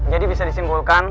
jadi bisa disimpulkan